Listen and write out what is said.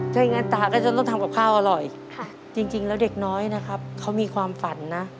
ถ้าอย่างนั้นตาก็จะต้องทำกับข้าวอร่อยจริงแล้วเด็กน้อยนะครับเขามีความฝันนะ